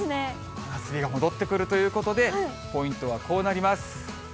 真夏日が戻ってくるということで、ポイントはこうなります。